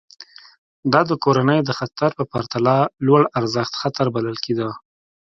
دا د کورنۍ د خطر په پرتله لوړارزښت خطر بلل کېده.